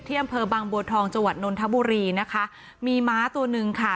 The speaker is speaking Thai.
อำเภอบางบัวทองจังหวัดนนทบุรีนะคะมีม้าตัวหนึ่งค่ะ